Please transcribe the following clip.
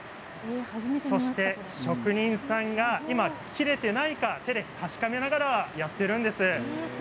そして職人さんが今、切れていないか手で確かめながらやっているんです。